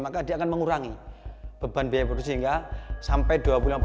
maka dia akan mengurangi beban biaya produksi hingga sampai dua puluh lima